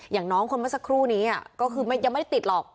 อย่างน้องคนเมื่อสักครู่นี้ก็คือยังไม่ได้ติดหรอก